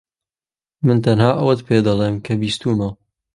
من تەنها ئەوەت پێدەڵێم کە بیستوومە.